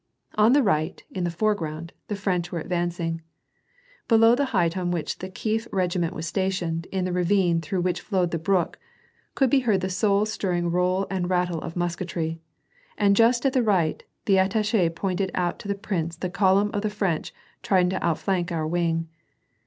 On the right, in the foreground, the French were advancing. Below the height on which the Kief regiment was stationed, in the ravine through which flowed the brook, could be heard the soul stirring roll and rattle of musketry, and just at the right, the attache pointed out to the prince the column of the French trying to outflank our wing.